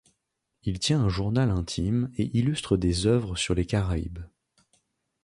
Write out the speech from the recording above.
Il tient un journal intime et illustre des œuvres sur les Caraïbes.